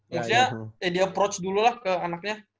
maksudnya dia approach dulu lah ke anaknya